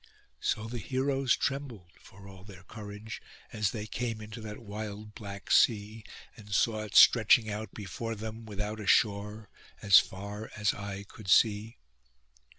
So the heroes trembled, for all their courage, as they came into that wild Black Sea, and saw it stretching out before them, without a shore, as far as eye could see.